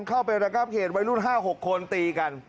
เข้าไประกับเหตุไว้รุ่น๕๖คนตีกัน